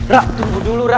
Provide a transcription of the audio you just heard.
ra tunggu dulu ra